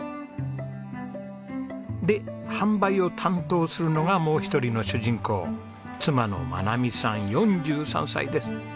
で販売を担当するのがもう一人の主人公妻の真奈美さん４３歳です。